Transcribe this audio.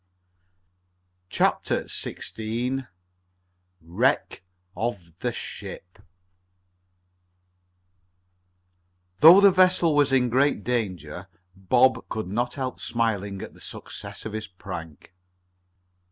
CHAPTER XVI WRECK OF THE SHIP Though the vessel was in great danger Bob could not help smiling at the success of his prank.